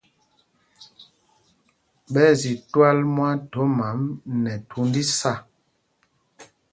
Ɓɛ́ ɛ́ zi twǎl mwaathɔm ām nɛ thund isâ.